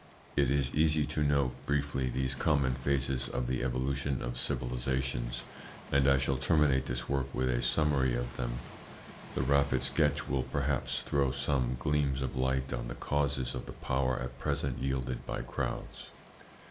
It is easy to note briefly these common phases of the evolution of civilisations, and I shall terminate this work with a summary of them. This rapid sketch will perhaps throw some gleams of light on the causes of the power at present wielded by crowds.